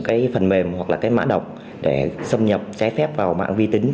cái phần mềm hoặc là cái mã độc để xâm nhập trái phép vào mạng vi tính